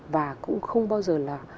và cũng không bao giờ là